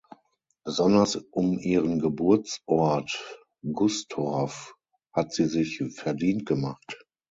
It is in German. Besonders um ihren Geburtsort Gustorf hat sie sich verdient gemacht.